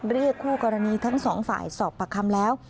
เรียกคู่กรณีทั้งสองฝ่ายสอบประคำแล้ว